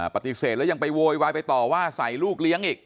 ปฏิเสธแล้วยังไปโวยวายไปต่อว่าใส่ลูกเลี้ยงอีก